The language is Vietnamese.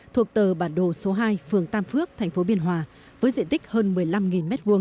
thuộc tờ bản đồ số hai phường tam phước thành phố biên hòa với diện tích hơn một mươi năm m hai